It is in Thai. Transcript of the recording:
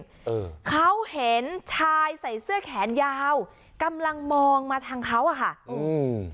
เออเขาเห็นชายใส่เสื้อแขนยาวกำลังมองมาทางเขาอ่ะค่ะอืม